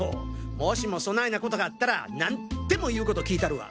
もしもそないなコトがあったら何でも言うコト聞いたるわ！